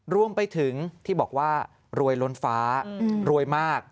รวมไปถึงที่บอกว่ารวยล้นฟ้ารวยมาก